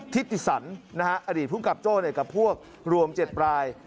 ทิศติศรรย์อดีตภูมิกับโจ้กับพวกรวม๗ปลาย